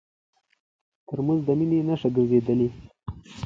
ترموز د مینې نښه ګرځېدلې.